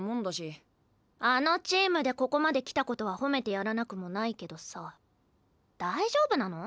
あのチームでここまで来たことは褒めてやらなくもないけどさ大丈夫なの？